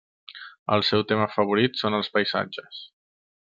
El seu tema favorit són els paisatges.